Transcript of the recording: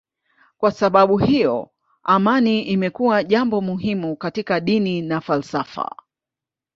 Kwa sababu hiyo amani imekuwa jambo muhimu katika dini na falsafa.